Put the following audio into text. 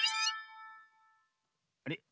あれ？